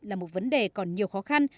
là một vấn đề còn nhiều khó khăn